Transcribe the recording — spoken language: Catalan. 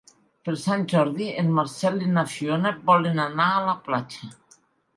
Per Sant Jordi en Marcel i na Fiona volen anar a la platja.